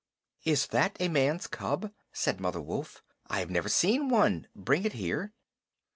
"Is that a man's cub?" said Mother Wolf. "I have never seen one. Bring it here."